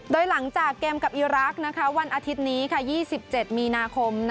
โดยหลังจากเกมกับอีรักษ์วันอาทิตย์นี้๒๗มีนาคม